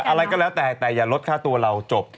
อะไรก็แล้วแต่แต่อย่าลดค่าตัวเราจบ